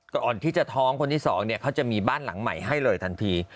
ก่อนที่จะท้องคนที่สองเนี่ยเขาจะมีบ้านหลังใหม่ให้เลยทันที